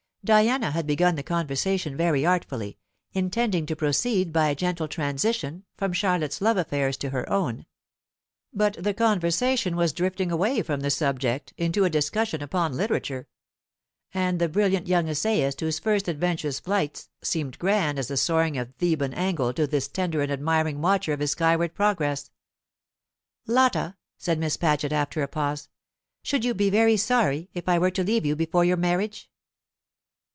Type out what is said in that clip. Diana had begun the conversation very artfully, intending to proceed by a gentle transition from Charlotte's love affairs to her own; but the conversation was drifting away from the subject into a discussion upon literature, and the brilliant young essayist whose first adventurous flights seemed grand as the soaring of Theban eagle to this tender and admiring watcher of his skyward progress. "Lotta," said Miss Paget, after a pause, "should you be very sorry if I were to leave you before your marriage?"